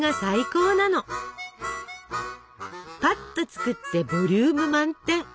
ぱっと作ってボリューム満点！